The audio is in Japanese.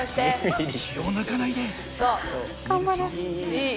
いい！